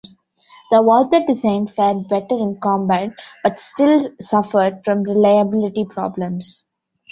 The Walther design fared better in combat but still suffered from reliability problems.